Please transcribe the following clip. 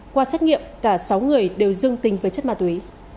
qua xét nghiệm cả sáu người đều dương tính với chất ma túy